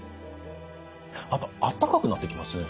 あとあったかくなってきますね。